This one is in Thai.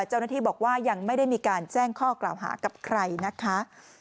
เจ้าหน้าที่บอกว่ายังไม่ได้มีการแจ้งข้อกล่าวหากับใครนะคะ